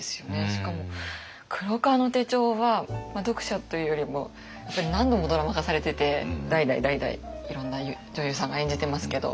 しかも「黒革の手帖」は読者というよりも何度もドラマ化されてて代々代々いろんな女優さんが演じてますけど。